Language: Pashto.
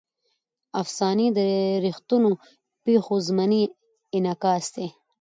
افسانې د ریښتونو پېښو ضمني انعکاس دی.